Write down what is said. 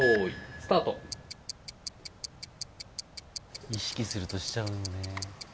スタート意識するとしちゃうよね